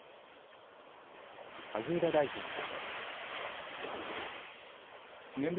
萩生田大臣は。